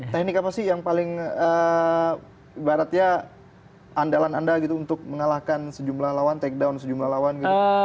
teknik apa sih yang paling ibaratnya andalan anda gitu untuk mengalahkan sejumlah lawan take down sejumlah lawan gitu